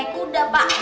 eh kudah pak